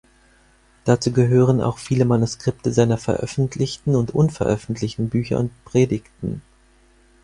Dazu gehören auch viele Manuskripte seiner veröffentlichten und unveröffentlichten Bücher und Predigten.